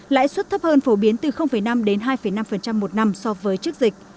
lãi suất thấp hơn phổ biến từ năm đến hai năm một năm so với trước dịch